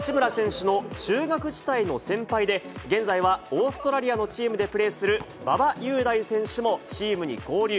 そしてこちら、八村選手の中学時代の先輩で、現在はオーストラリアのチームでプレーする馬場雄大選手もチームに合流。